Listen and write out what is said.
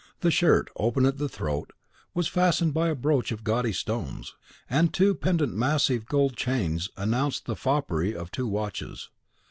The shirt, open at the throat, was fastened by a brooch of gaudy stones; and two pendent massive gold chains announced the foppery of two watches.